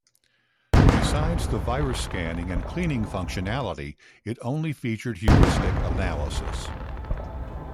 Besides the virus scanning and cleaning functionality it only featured heuristic analysis.